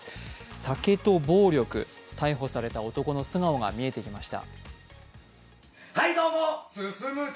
酒と暴力、逮捕された男の素顔が見えてきました。